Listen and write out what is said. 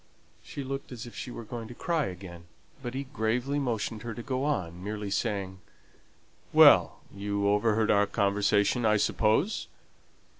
She looked as if she was going to cry again, but he gravely motioned her to go on, merely saying, "Well! you overheard our conversation, I suppose?"